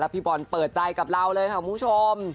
พี่บอลเปิดใจกับเราเลยค่ะคุณผู้ชม